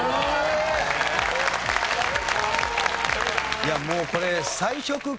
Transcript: いやもうこれ。